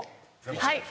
はい。